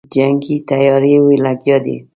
جنګي تیاریو لګیا دی.